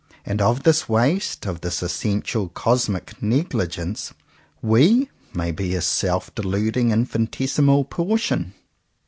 And of this waste, of this essential cosmic negligence, we may be a self deluding infi nitesimal portion.